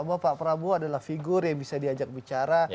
bahwa pak prabowo adalah figur yang bisa diajak bicara